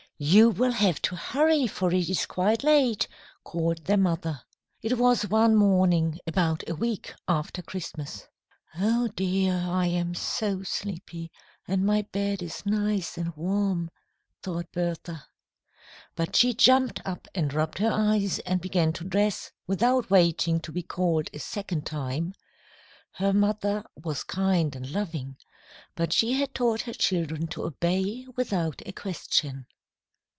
You will have to hurry, for it is quite late," called their mother. It was one morning about a week after Christmas. [Illustration: BERTHA'S FATHER AND MOTHER.] "Oh dear, I am so sleepy, and my bed is nice and warm," thought Bertha. But she jumped up and rubbed her eyes and began to dress, without waiting to be called a second time. Her mother was kind and loving, but she had taught her children to obey without a question.